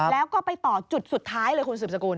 แล้วก็ไปต่อจุดสุดท้ายเลยคุณสืบสกุล